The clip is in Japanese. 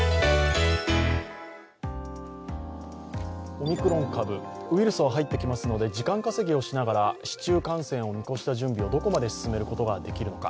オミクロン株、ウイルスは入ってきますので時間稼ぎをしながら市中感染を見越した準備をどこまで進めることができるか。